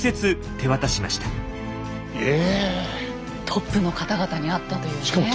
トップの方々に会ったというね。